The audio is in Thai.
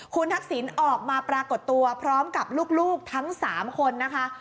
คุณทักษิณออกมาปรากฏตัวพร้อมกับลูกทั้ง๓คนนะคะ